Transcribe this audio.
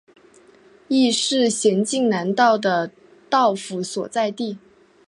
亦是咸镜南道的道府所在地。